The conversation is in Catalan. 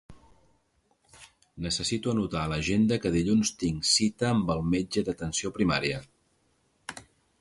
Necessito anotar a l'agenda que dilluns tinc cita amb el metge d'atenció primària.